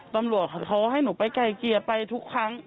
ตำรวจเขาให้หนูไปไกลเกลี่ยไปทุกครั้ง